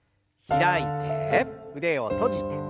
開いて腕を閉じて。